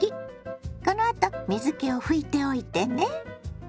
このあと水けを拭いておいてね。